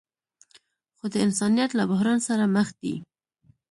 خو د انسانیت له بحران سره مخ دي.